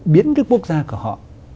biến cái quốc gia của họ